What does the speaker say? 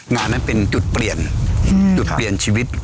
งานนั้นเป็นจุดเปลี่ยนจุดเปลี่ยนชีวิต